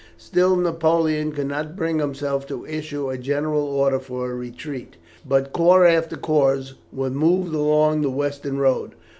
Still, Napoleon could not bring himself to issue a general order for a retreat, but corps after corps was moved along the western road.